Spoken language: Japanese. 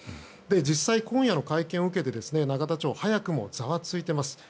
実際、今夜の会見を受けて永田町は早くもざわついています。